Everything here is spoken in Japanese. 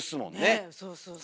そうそうそうそう。